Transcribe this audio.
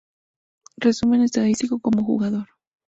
Resumen estadístico como Jugador